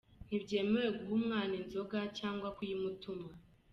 Ntibyemewe guha umwana inzoga cyangwa kuyimutuma